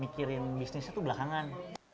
mikirin bisnisnya tuh belakangan